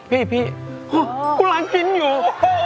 พี่อ๋อกูร้านกินอยู่